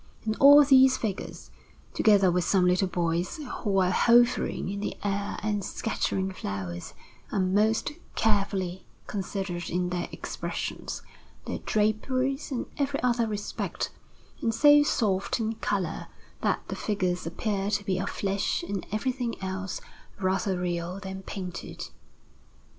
And all these figures, together with some little boys who are hovering in the air and scattering flowers, are most carefully considered in their expressions, their draperies, and every other respect, and so soft in colour, that the figures appear to be of flesh and everything else rather real than painted.